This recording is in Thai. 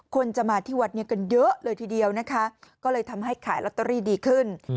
คนจะมาที่วัดนี้กันเยอะเลยทีเดียวนะคะก็เลยทำให้ขายลอตเตอรี่ดีขึ้น